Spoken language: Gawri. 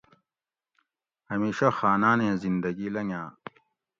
ہمیشہ خانانیں زندگی لنگاٞں